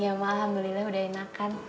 ya alhamdulillah udah enakan